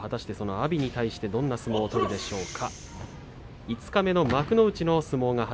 阿炎に対してどういう相撲を取るでしょうか。